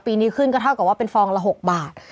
ปีนี้ขึ้นก็เท่ากับว่าเป็นฟองละ๖บาท